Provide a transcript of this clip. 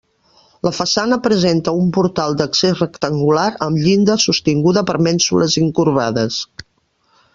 La façana presenta un portal d'accés rectangular, amb llinda sostinguda per mènsules incurvades.